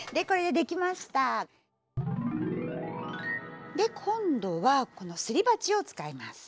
で今度はこのすり鉢を使います。